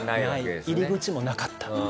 入り口もなかった。